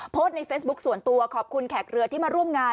โพสต์ในเฟซบุ๊คส่วนตัวขอบคุณแขกเรือที่มาร่วมงาน